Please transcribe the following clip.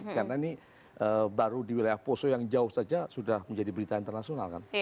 karena ini baru di wilayah poso yang jauh saja sudah menjadi berita internasional kan